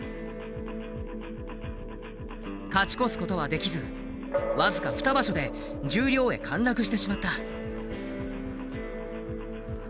勝ち越すことはできず僅か二場所で十両へ陥落してしまった。